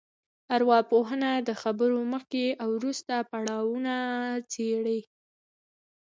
ارواپوهنه د خبرو مخکې او وروسته پړاوونه څېړي